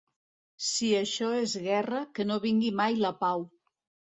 Si això és guerra, que no vingui mai la pau.